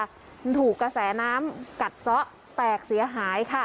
มันถูกกระแสน้ำกัดซะแตกเสียหายค่ะ